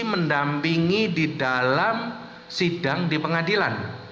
mendampingi di dalam sidang di pengadilan